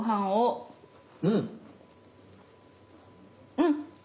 うん！